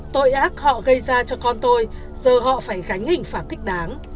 tội ác họ gây ra cho con tôi giờ họ phải gánh hình phạt thích đáng